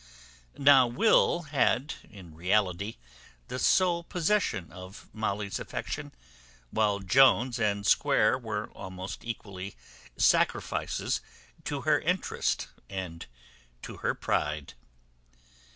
Now Will had, in reality, the sole possession of Molly's affection, while Jones and Square were almost equally sacrifices to her interest and to her pride.